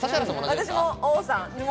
私も、Ｏさん。